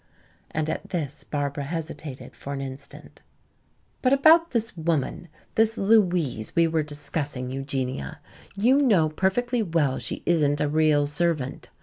And at this Barbara hesitated for an instant. "But about this woman, this 'Louise', we were discussing. Eugenia, you know perfectly well she isn't a real servant.